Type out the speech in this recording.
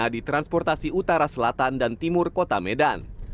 karena ditransportasi utara selatan dan timur kota medan